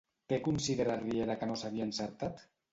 Què considera Riera que no seria encertat?